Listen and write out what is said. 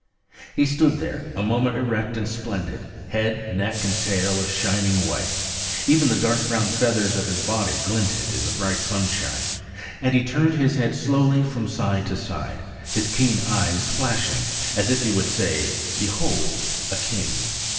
He stood there a moment erect and splendid, head, neck, and tail a shining white; even the dark brown feathers of his body glinted in the bright sunshine. And he turned his head slowly from side to side, his keen eyes flashing, as if he would say, "Behold, a king!"